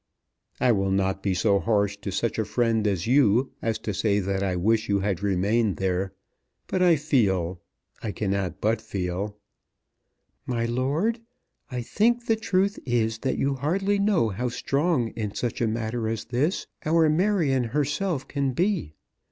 "I will not be so harsh to such a friend as you, as to say that I wish you had remained there; but I feel, I cannot but feel " "My lord, I think the truth is that you hardly know how strong in such a matter as this our Marion herself can be.